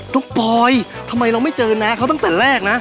ปอยทำไมเราไม่เจอน้าเขาตั้งแต่แรกนะ